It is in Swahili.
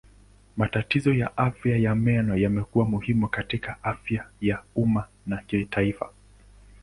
Matatizo ya afya ya meno yamekuwa muhimu katika afya ya umma ya kimataifa.